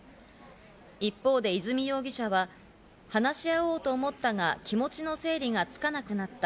一方で和美容疑者は話し合おうと思ったが、気持ちの整理がつかなくなった。